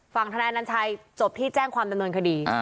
ทนายอนัญชัยจบที่แจ้งความดำเนินคดี